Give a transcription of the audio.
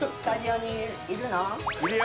いるよ。